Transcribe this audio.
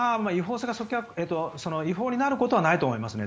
違法になることはないと思いますね。